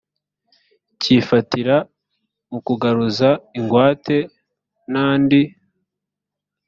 cy ifatira mu kugaruza ingwate n andi